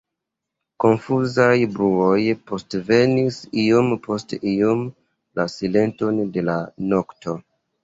Konfuzaj bruoj postvenis iom post iom la silenton de la nokto.